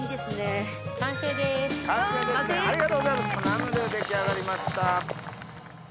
ナムル出来上がりました。